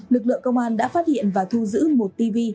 lực lượng công an đã phát hiện và thu giữ một tv